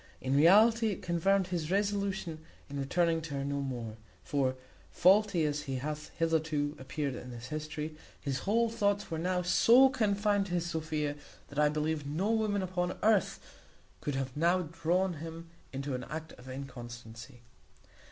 In reality, it confirmed his resolution of returning to her no more; for, faulty as he hath hitherto appeared in this history, his whole thoughts were now so confined to his Sophia, that I believe no woman upon earth could have now drawn him into an act of inconstancy.